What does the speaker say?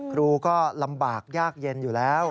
ครูก็ลำบากยากเย็นอยู่แล้ว